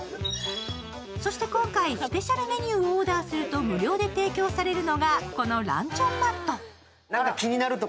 そして今回、スペシャルメニューをオーダーすると無料で提供されるのが、このランチョンマット。